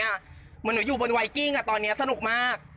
เหมือนหนูอยู่บนไวกิ้งตอนนี้สนุกมาก